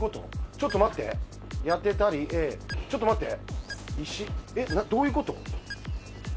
ちょっと待ってやてたりＡちょっと待っていしどういうこと？